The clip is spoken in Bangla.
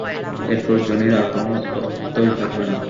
এরপর জনির আর কোনো অস্তিত্বই থাকবে না।